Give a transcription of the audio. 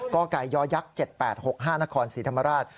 ก็กลายยอร์ยักษ์๗๘๖๕นครศรีธรรมราช